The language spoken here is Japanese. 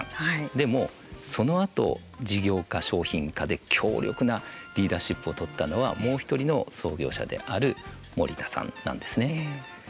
でも、そのあと事業化、商品化で強力なリーダーシップを執ったのはもう一人の創業者である盛田さんなんですね。